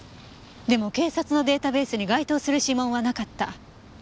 でも警察のデータベースに該当する指紋はなかった。